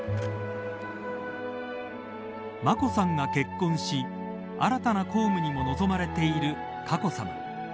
眞子さんが結婚し新たな公務にも臨まれている佳子さま。